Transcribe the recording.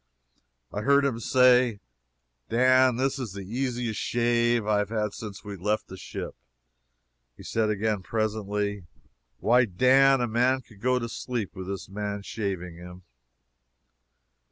I heard him say: "Dan, this is the easiest shave I have had since we left the ship." He said again, presently: "Why Dan, a man could go to sleep with this man shaving him."